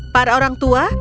para orang tua